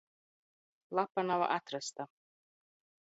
Lapa nav atrasta.